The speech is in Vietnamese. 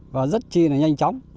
và rất chi là nhanh chóng